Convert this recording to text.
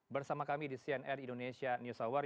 bersama kami di cnn indonesia news hour